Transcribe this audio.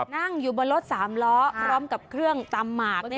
นั่งอยู่บนรถ๓ล้อพร้อมกับเครื่องตำหมาก